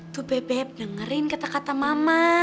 tuh bebek dengerin kata kata mama